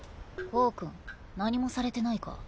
コウ君何もされてないか？